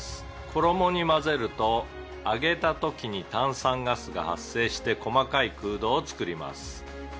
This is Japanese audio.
「衣に混ぜると揚げた時に炭酸ガスが発生して細かい空洞を作ります」